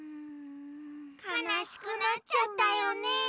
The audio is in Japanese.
かなしくなっちゃったよね。